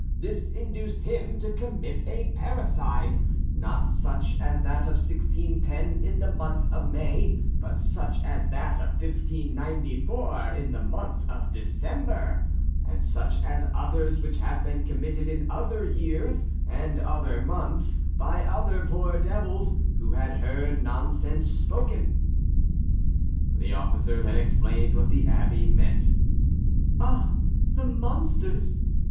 This induced him to commit a parricide, not such as that of 1610 in the month of May, but such as that of 1594 in the month of December, and such as others which have been committed in other years and other months by other poor devils who had heard nonsense spoken." The officer then explained what the Abbé meant. "Ah, the monsters!"